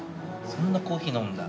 そんなコーヒー飲むんだ。